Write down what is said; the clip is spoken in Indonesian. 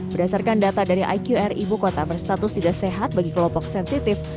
berdasarkan data dari iqr ibu kota berstatus tidak sehat bagi kelompok sensitif